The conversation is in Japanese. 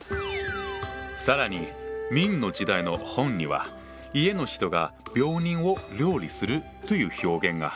更に明の時代の本には「家の人が病人を料理する」という表現が。